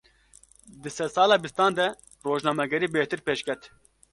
Di sedsala bîstan de, rojnamegerî bêhtir pêşket